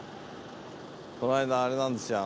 この間あれなんですよ